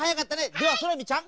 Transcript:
ではソラミちゃん